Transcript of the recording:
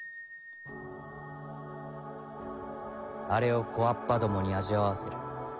あれを小童どもに味わわせる。